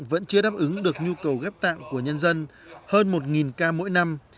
vẫn chưa đáp ứng được nhu cầu ghép tạng của nhân dân hơn một ca mỗi năm